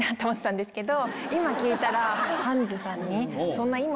今聞いたら。